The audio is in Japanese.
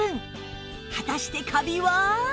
果たしてカビは？